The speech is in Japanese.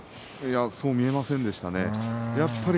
それは見えませんでしたね。